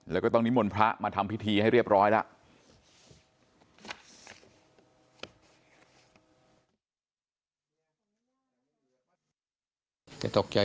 แล้วก็ต้องนิมนต์พระมาทำพิธีให้เรียบร้อยแล้ว